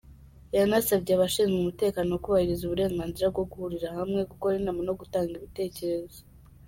Yanasabye abashinzwe umutekano kubahiriza uburenganzira bwo guhurira hamwe , gukora inama, no gutanga ibitekerezo.